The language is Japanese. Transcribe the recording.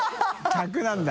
客なんだ。